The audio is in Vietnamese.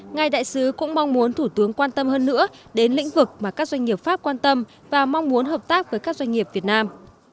ngài đại sứ cũng mong muốn thủ tướng quan tâm hơn nữa đến lĩnh vực mà các doanh nghiệp pháp quan tâm và mong muốn hợp tác với các doanh nghiệp việt nam